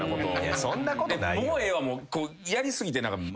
そんなことないよ。